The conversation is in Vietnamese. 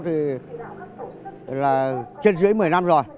thì là trên dưới một mươi năm rồi